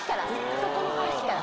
あそこの橋から。